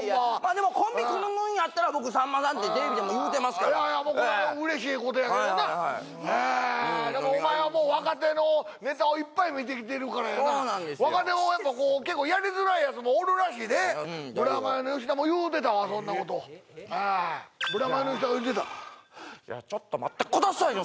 でもコンビ組むんやったら僕さんまさんってテレビでも言うてますからいやいやこれはうれしいことやけどなでもお前はもう若手のネタをいっぱい見てきてるからやなそうなんですよ若手もやっぱやりづらいやつもおるらしいでブラマヨの吉田も言うてたわそんなことえブラマヨの吉田が言うてたいやちょっと待ってくださいよ